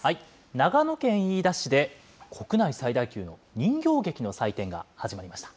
長野県飯田市で、国内最大級の人形劇の祭典が始まりました。